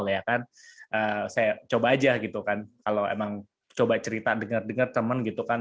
saya coba saja kalau emang coba cerita dengar dengar teman